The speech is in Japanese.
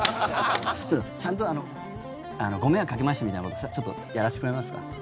ちゃんとご迷惑かけましたみたいなことをやらせてくれますか？